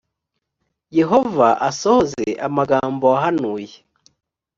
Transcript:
yehova asohoze amagambo wahanuye